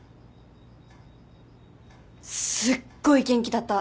すっごい元気だった。